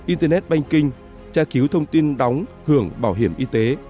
internet banking tra cứu thông tin đóng hưởng bảo hiểm y tế